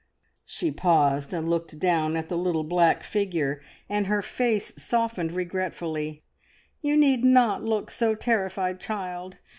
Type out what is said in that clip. She paused and looked down at the little black figure, and her face softened regretfully. "You need not look so terrified, child.